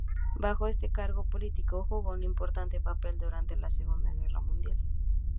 Bajo este cargo político jugó un importante papel durante la Segunda Guerra Mundial.